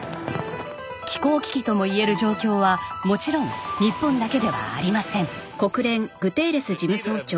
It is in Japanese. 気候危機ともいえる状況はもちろん日本だけではありません。